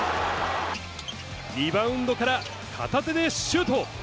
リバウンドから、片手でシュート。